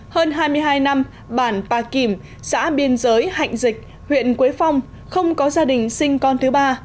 hơn hai mươi hai năm bản pà kìm xã biên giới hạnh dịch huyện quế phong không có gia đình sinh con thứ ba